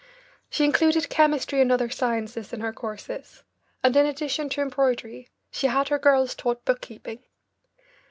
She included chemistry and other sciences in her courses, and in addition to embroidery she had her girls taught bookkeeping.